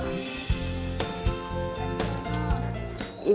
maria adalah sosok yang luar biasa